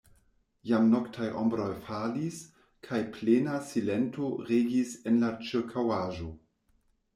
Jam noktaj ombroj falis, kaj plena silento regis en la ĉirkaŭaĵo.